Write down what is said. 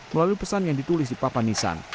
melalui pesan yang ditulis di papanisan